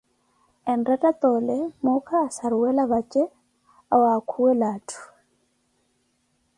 Enretta toole muuka asaruwela vaje, awaakuwa atthu.